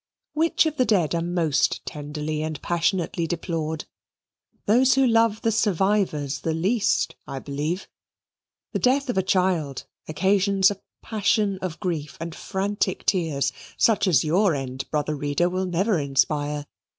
Which of the dead are most tenderly and passionately deplored? Those who love the survivors the least, I believe. The death of a child occasions a passion of grief and frantic tears, such as your end, brother reader, will never inspire.